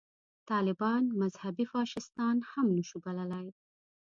طالبان مذهبي فاشیستان هم نه شو بللای.